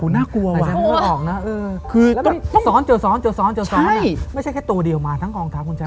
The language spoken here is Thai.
หูน่ากลัววะคือต้องเจอซ้อนอะไม่ใช่แค่ตัวเดียวมาทั้งองธรรมคุณชาว